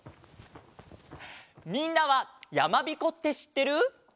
みんなはやまびこってしってる？